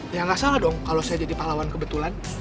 ya nggak salah dong kalau saya jadi pahlawan kebetulan